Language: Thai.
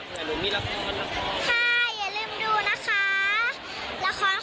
น้องเตอร์ได้ซื้อของขวดวันเกิดให้คุณยายเป็นใส่คอ